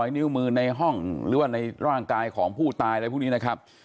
นิ้วมือในห้องหรือว่าในร่างกายของผู้ตายอะไรพวกนี้นะครับ